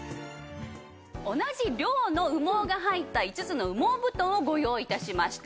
同じ量の羽毛が入った５つの羽毛布団をご用意致しました。